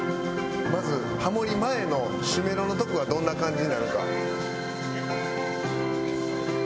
まずハモり前の主メロのとこがどんな感じになるか。